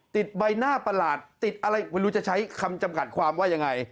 ติดใบหน้าประหลาดติดอะไรไม่รู้จะใช้คำจำกัดความว่ายังไง